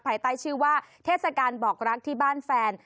ภายใต้ชื่อว่าเทศกาลบอกรักที่บ้านแฟน